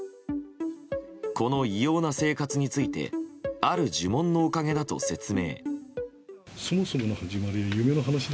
この異様な生活についてある呪文のおかげだと説明。